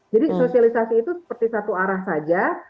jadi sosialisasi itu seperti satu arah saja